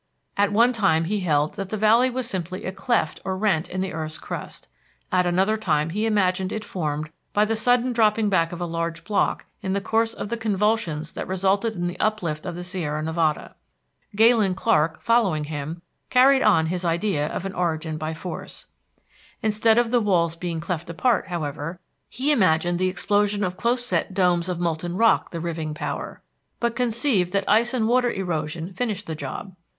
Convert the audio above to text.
At one time he held that the valley was simply a cleft or rent in the earth's crust. At another time he imagined it formed by the sudden dropping back of a large block in the course of the convulsions that resulted in the uplift of the Sierra Nevada. Galen Clark, following him, carried on his idea of an origin by force. Instead of the walls being cleft apart, however, he imagined the explosion of close set domes of molten rock the riving power, but conceived that ice and water erosion finished the job.